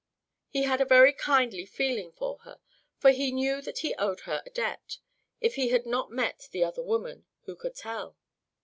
He had a very kindly feeling for her, for he knew that he owed her a debt; if he had not met the other woman who could tell?